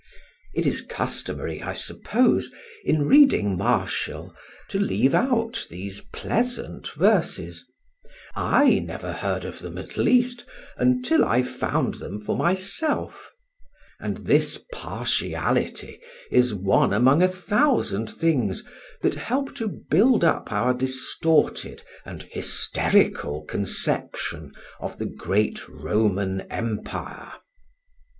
It is customary, I suppose, in reading Martial, to leave out these pleasant verses; I never heard of them, at least, until I found them for myself; and this partiality is one among a thousand things that help to build up our distorted and hysterical conception of the great Roman Empire.